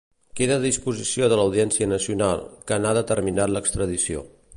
Queda a disposició de l'Audiència Nacional, que n'ha de determinar l'extradició.